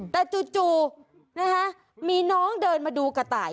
แต่จู่นะคะมีน้องเดินมาดูกระต่าย